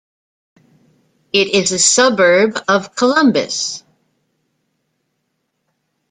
It is a suburb of Columbus.